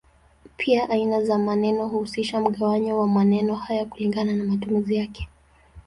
Pia aina za maneno huhusisha mgawanyo wa maneno hayo kulingana na matumizi yake.